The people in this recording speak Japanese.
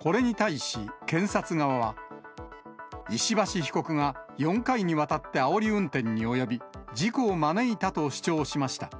これに対し検察側は、石橋被告が４回にわたって、あおり運転に及び、事故を招いたと主張しました。